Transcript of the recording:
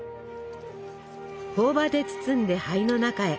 ほお葉で包んで灰の中へ。